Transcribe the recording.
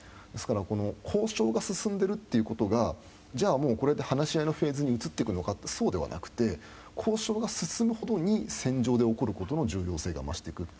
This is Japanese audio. ですから、交渉が進んでいるということがじゃあ、これで話し合いのフェーズに移っていくのかというとそうではなくて交渉が進む度に戦場で起こることの重要性が増していく。